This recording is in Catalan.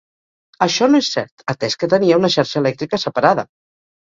Això no és cert, atès que tenia una xarxa elèctrica separada.